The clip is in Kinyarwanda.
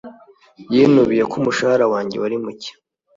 Yinubiye ko umushahara wanjye wari muke